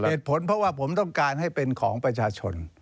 เหตุผลเพราะว่าผมต้องการให้เป็นของประชาชน